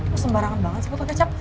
lo sembarangan banget sepotong kecap